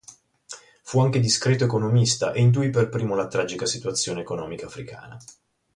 Fu anche discreto economista e intuì per primo la tragica situazione economica africana.